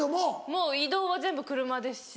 もう移動は全部車ですし。